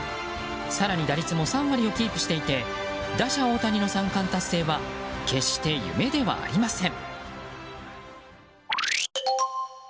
更に打率も３割をキープしていて打者・大谷の三冠達成は決して夢ではありません。